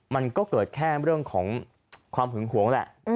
มันก็เกิดแค่เรื่องของความหึงหวงแหละ